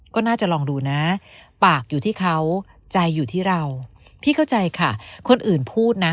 ก็น่าจะลองดูนะปากอยู่ที่เขาใจอยู่ที่เราพี่เข้าใจค่ะคนอื่นพูดนะ